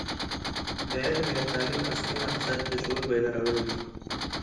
د علم یا تعلیم اصلي مقصد د شعور بیدارول دي.